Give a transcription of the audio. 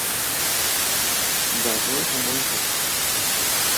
যাবৰ সময় হ'ল।